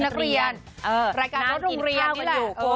น้ำกินข้าวกันอยู่ครับคุณ